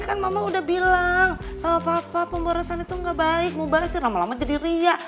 kan mama udah bilang sama papa pemborosan itu gak baik mau bahas sih lama lama jadi ria